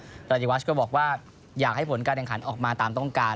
รายวัชก็บอกว่าอยากให้ผลการแข่งขันออกมาตามต้องการ